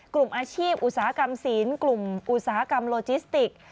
กลุ่มอาชีพอุตสาหกรรมศีลกลุ่มอุตสาหกรรมโลจิสติก